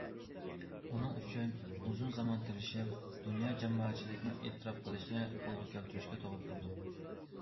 ئۇنىڭ ئۈچۈن ئۇزۇن زامان تىرىشىپ، دۇنيا جامائەتچىلىكىنىڭ ئېتىراپ قىلىشىنى قولغا كەلتۈرۈشكە توغرا كېلىدۇ.